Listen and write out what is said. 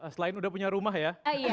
selain udah punya rumah ya